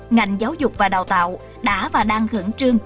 ngành giáo dục và đào tạo đã và đang khẩn trương